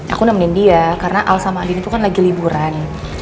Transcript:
aku nemenin dia karena al sama aldin itu kan lagi liburan